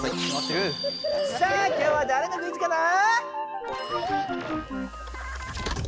さあきょうはだれのクイズかな？